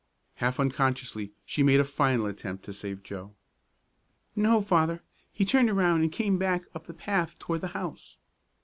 Half unconsciously she made a final attempt to save Joe. "No, Father, he turned around and came back up the path toward the house."